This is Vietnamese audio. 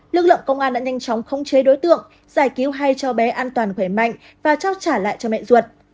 lực lượng công an đã nhanh chóng khống chế đối tượng giải cứu hai cháu bé an toàn khỏe mạnh và trao trả lại cho mẹ ruột